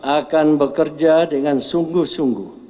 akan bekerja dengan sungguh sungguh